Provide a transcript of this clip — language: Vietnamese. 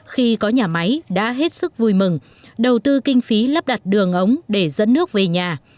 khi có nhà máy đã hết sức vui mừng đầu tư kinh phí lắp đặt đường ống để dẫn nước về nhà